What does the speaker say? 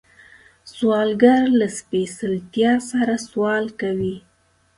سوالګر له سپېڅلتیا سره سوال کوي